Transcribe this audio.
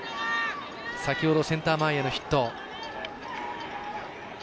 先ほどセンター前へのヒット。